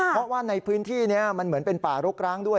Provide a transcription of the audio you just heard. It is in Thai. เพราะว่าในพื้นที่นี้มันเหมือนเป็นป่ารกร้างด้วย